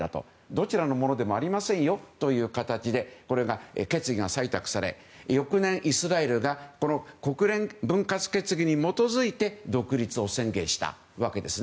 どちらのものでもありませんという形で決議が採択され翌年、イスラエルが国連分割決議に基づいて独立を宣言したわけです。